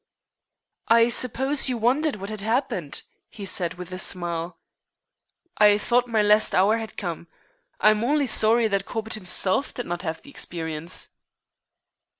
"I suppose you wondered what had happened," he said with a smile. "I thought my last hour had come. I am only sorry that Corbett himself did not have the experience."